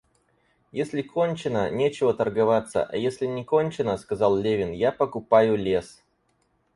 Если кончено, нечего торговаться, а если не кончено, — сказал Левин, — я покупаю лес.